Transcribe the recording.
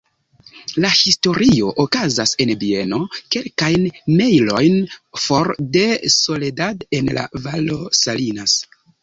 La historio okazas en bieno kelkajn mejlojn for de Soledad en la Valo Salinas.